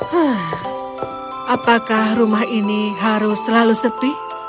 hah apakah rumah ini harus selalu sepi